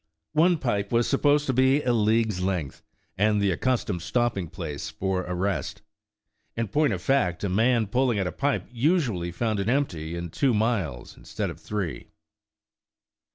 One pipe was supposed to be a league's length, and the accustomed stopping place for a rest. In point of fact, a man pulling at a pipe usually found it empty in two miles instead of three.